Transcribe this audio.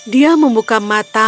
dia membuka mata